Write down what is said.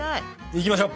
いきましょう。